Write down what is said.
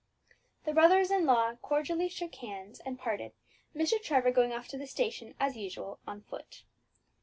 The brothers in law cordially shook hands and parted, Mr. Trevor going off to the station, as usual, on foot.